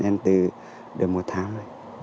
em từ được một tháng rồi